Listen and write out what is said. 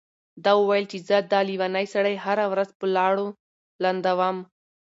ده وويل چې زه دا لېونی سړی هره ورځ په لاړو لندوم.